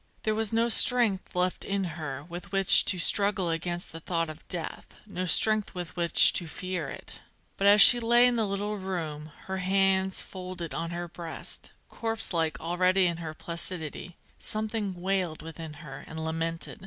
There was no strength left in her with which to struggle against the thought of death, no strength with which to fear it. But, as she lay in the little room, her hands folded on her breast, corpse like already in her placidity, something wailed within her and lamented.